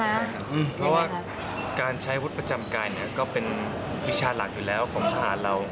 เพราะว่าการใช้วุฒิประจำกายก็เป็นวิชาหลักอยู่แล้วของทหารเรา